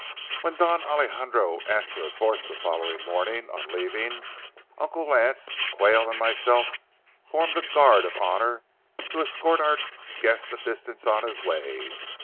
When Don Alejandro asked for his horse the following morning on leaving, Uncle Lance, Quayle, and myself formed a guard of honor to escort our guest a distance on his way.